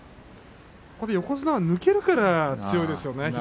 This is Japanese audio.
横綱は抜けるから強いですよね